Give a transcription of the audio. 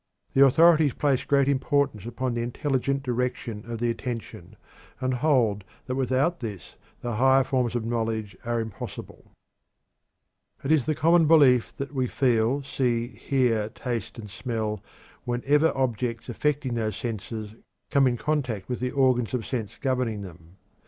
The authorities place great importance upon the intelligent direction of the attention, and hold that without this the higher forms of knowledge are impossible. It is the common belief that we feel, see, hear, taste, or smell whenever objects affecting those senses come in contact with the organs of sense governing them.